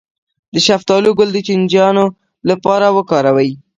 د شفتالو ګل د چینجیانو لپاره وکاروئ